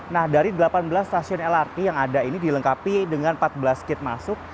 nah dari delapan belas stasiun lrt yang ada ini dilengkapi dengan empat belas kit masuk